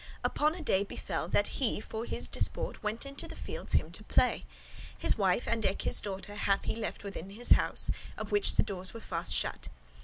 Upon a day befell, that he for his disport went into the fields him to play. His wife and eke his daughter hath he left within his house, of which the doors were fast shut.